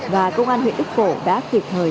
và công an huyện đức phổ đã thiệt thời